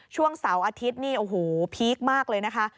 ช่วงเสาร์อาทิตย์นี่โอ้โหพีคมากเลยนะคะ